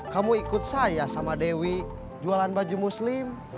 kamu ikut saya sama dewi jualan baju muslim